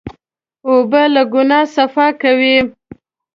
اوبه له ګناه صفا کوي.